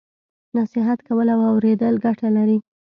نصیحت کول او اوریدل ګټه لري.